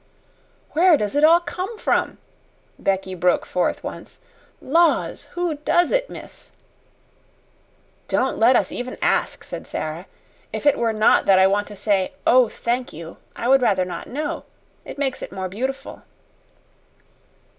"Where does it all come from?" Becky broke forth once. "Laws, who does it, miss?" "Don't let us even ASK," said Sara. "If it were not that I want to say, 'Oh, thank you,' I would rather not know. It makes it more beautiful."